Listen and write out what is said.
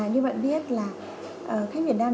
như bạn biết là khách việt nam